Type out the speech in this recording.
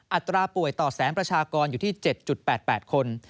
อัตราป่วยต่อแสนประชากรอยู่ที่๗๘๘คน